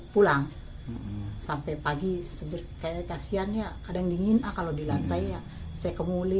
pulang sampai pagi seger kayak kasihan ya kadang dingin ah kalau di lantai ya saya kemuli